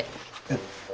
えっ。